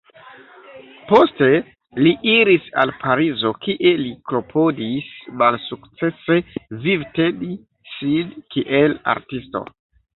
Poste li iris al Parizo, kie li klopodis malsukcese vivteni sin kiel artisto.